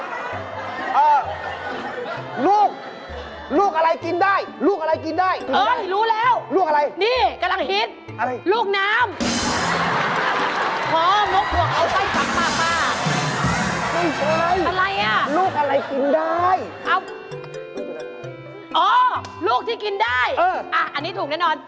ไม่ใช่ลูกอะไรกินได้อ๋ออ๋อลูกที่กินได้อันนี้ถูกแน่นอน